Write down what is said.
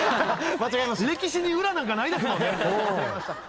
歴史に裏なんかないですもんね。